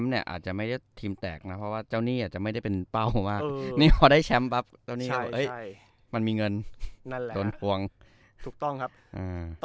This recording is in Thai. ใช่ใช่มันมีเงินนั่นแหละสนทวงถูกต้องครับอื่อ